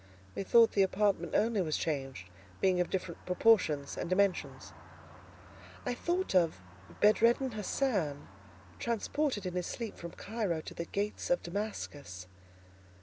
Methought the apartment only was changed, being of different proportions and dimensions. I thought of Bedreddin Hassan, transported in his sleep from Cairo to the gates of Damascus.